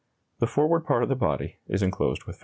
The forward part of the body is enclosed with fabric.